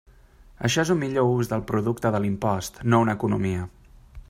Això és un millor ús del producte de l'impost, no una economia.